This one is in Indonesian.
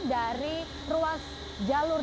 dari ruas jalur